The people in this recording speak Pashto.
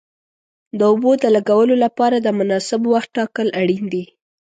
د اوبو د لګولو لپاره د مناسب وخت ټاکل اړین دي.